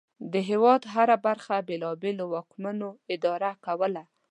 د هېواد هره برخه بېلابېلو واکمنانو اداره کوله.